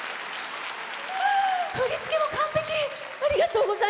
振り付けも完璧。